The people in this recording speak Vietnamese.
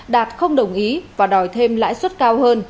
đạt không đồng ý và đòi thêm lãi suất cao hơn